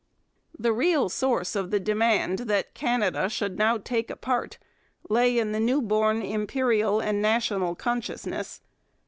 The real source of the demand that Canada should now take a part lay in the new born imperial and national consciousness.